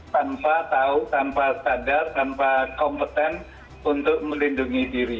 tanpa tahu tanpa sadar tanpa kompeten untuk melindungi diri